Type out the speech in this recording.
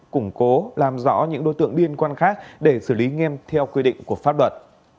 củng cố làm rõ những đối tượng liên quan khác để xử lý nghiêm theo quy định của pháp luật